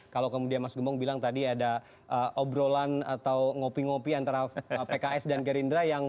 kalau kemudian mas gembong bilang tadi ada obrolan atau ngopi ngopi antara pks dan gerindra yang